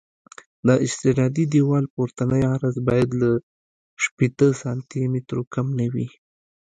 د استنادي دیوال پورتنی عرض باید له شپېته سانتي مترو کم نه وي